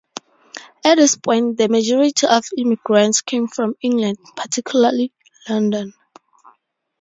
At this point the majority of immigrants came from England, particularly London.